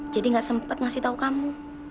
jadi gak sempet ngasih tau kamu